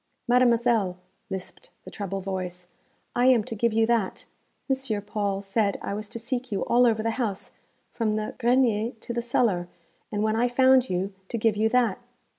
'Mademoiselle,' lisped the treble voice, 'I am to give you that. M. Paul said I was to seek you all over the house, from the grenier to the cellar, and when I found you to give you that.'